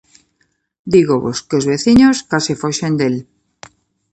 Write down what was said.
Dígovos que os veciños case foxen del.